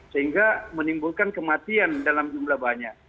sehingga menimbulkan kematian dalam jumlah banyak